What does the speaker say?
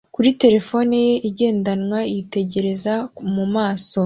kuri terefone ye igendanwa yitegereza mu maso